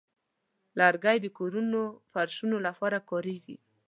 لرګی د کورونو فرشونو لپاره کاریږي.